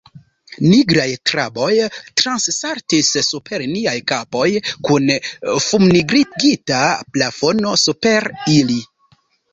Nigraj traboj transsaltis super niaj kapoj, kun fumnigrigita plafono super ili...